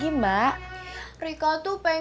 ih itu amin